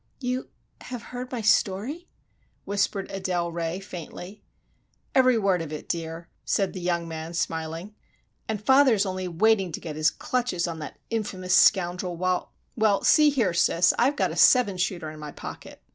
"You have heard my story?" whispered Adele Ray, faintly. "Every word of it, dear," said the young man smiling, "and father is only waiting to get his clutches on that infamous scoundrel, while—well, see here, sis, I've got a seven shooter in my pocket!"